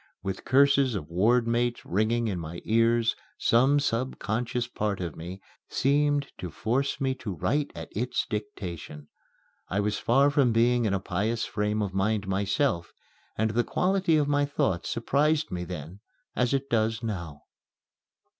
With curses of ward mates ringing in my ears, some subconscious part of me seemed to force me to write at its dictation. I was far from being in a pious frame of mind myself, and the quality of my thought surprised me then as it does now.